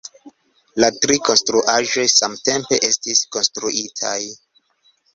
La tri konstruaĵoj samtempe estis konstruitaj.